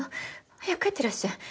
早く帰ってらっしゃい。